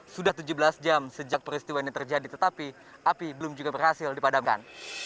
sudah tujuh belas jam sejak peristiwa ini terjadi tetapi api belum juga berhasil dipadamkan